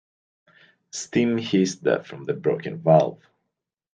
Steam hissed from the broken valve.